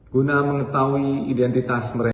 guna mengetahui identitas mereka